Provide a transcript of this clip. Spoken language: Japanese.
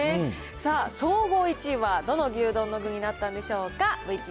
さあ、総合１位はどの牛丼の具になったんでしょうか。